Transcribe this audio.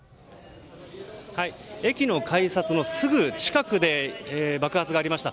駅の改札のすぐ近くで爆発がありました。